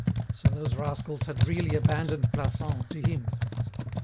So those rascals had really abandoned Plassans to him.